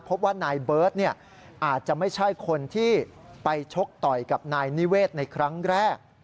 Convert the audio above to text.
พบว่านายเบิร์ตอาจจะไม่ใช่คนที่ไปชกต่อยกับนายนิเวศในครั้งแรก